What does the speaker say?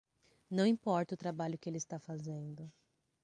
Não importa o trabalho que ele está fazendo